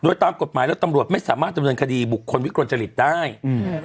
โต้ตามกฎหมายแล้วตำรวจไม่สามารถประโยชน์ทบินคดีบุคคลวิกรณ์จริงจริงได้อืม